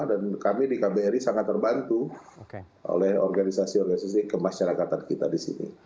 kami di kbri sangat terbantu oleh organisasi organisasi kemasyarakatan kita di sini